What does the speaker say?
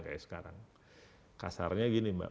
kayak sekarang kasarnya gini mbak